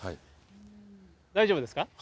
大丈夫ですか？